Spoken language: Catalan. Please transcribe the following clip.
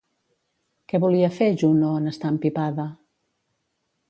Què volia fer Juno en estar empipada?